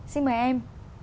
xin mời em